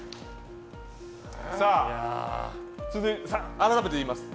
改めて言います。